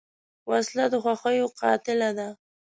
وسله د خوښیو قاتله ده